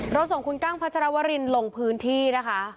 ส่งคุณกั้งพัชรวรินลงพื้นที่นะคะ